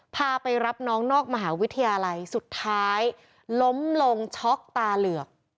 พาไปรับน้องนอกมหาวิทยาลัยสุดท้ายล้มลงช็อกตาเหลือก